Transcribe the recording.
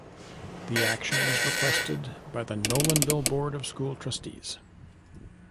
This action was requested by the Nolanville Board of School Trustees.